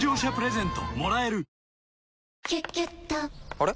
あれ？